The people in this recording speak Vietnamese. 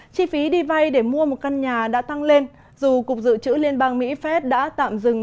chi phí đi vay để mua một căn nhà đã tăng lên dù cục dự trữ liên bang mỹ phép đã tạm dừng